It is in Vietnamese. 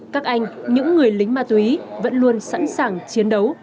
các anh những người lính ma túy vẫn luôn sẵn sàng chiến đấu